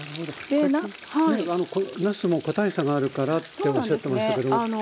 さっきなすも個体差があるからっておっしゃってましたけど。